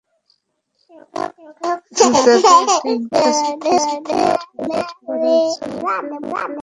তাঁকে একটি ইংরেজি পত্রিকার স্পোর্টস এডিটর করা হচ্ছে, এটা অনেকেরই মনঃপূত হয়নি।